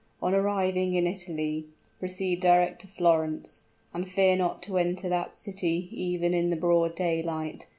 On arriving in Italy, proceed direct to Florence; and fear not to enter that city even in the broad daylight.